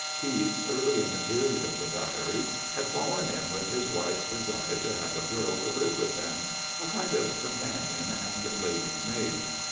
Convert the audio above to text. Pepys, early in the period of the Diary, had fallen in with his wife's desire to have a girl to live with them—a kind of companion and lady's maid.